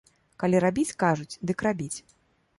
Калі рабіць, кажуць, дык рабіць.